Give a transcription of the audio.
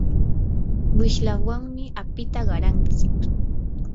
wishlawanmi apita qarantsik.